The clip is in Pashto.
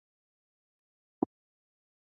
په منځني ختیځ کې د نوې ډبرې انقلاب رامنځته شو.